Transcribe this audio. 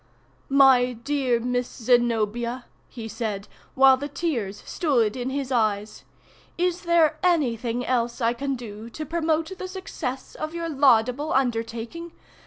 "My dear Miss Zenobia," he said, while the tears stood in his eyes, "is there anything else I can do to promote the success of your laudable undertaking?